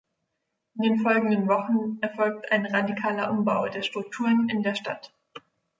In den folgenden Wochen erfolgt ein radikaler Umbau der Strukturen in der Stadt.